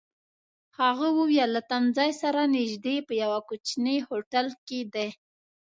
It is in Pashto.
هغه وویل: له تمځای سره نژدې، په یوه کوچني هوټل کي دي.